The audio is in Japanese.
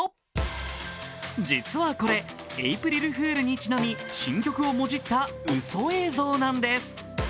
実はこれ、エープリルフールにちなみ、新曲をもじったうそ映像なんです。